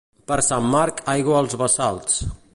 Per Sant Marc, aigua als bassals.